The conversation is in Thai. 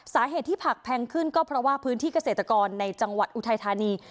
สาเหตุที่ผักแพงขึ้นก็เพราะว่าพื้นที่เกษตรกรในจังหวัดอุทัยธานี